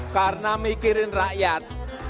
karena mikirin rakyat